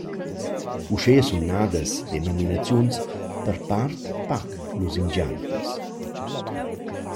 Uschea sun nadas denominaziuns per part pac lusingiantas.